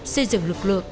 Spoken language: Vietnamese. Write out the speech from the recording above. xây dựng lực lượng